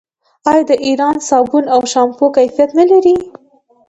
آیا د ایران صابون او شامپو کیفیت نلري؟